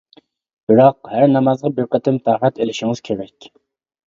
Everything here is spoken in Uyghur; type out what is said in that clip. بىراق ھەر نامازغا بىر قېتىم تاھارەت ئېلىشىڭىز كېرەك.